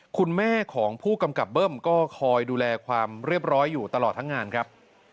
คุณแม่ของผู้กำกับเบิ้มก็คอยดูแลความเรียบร้อยอยู่ตลอดทั้งงานครับ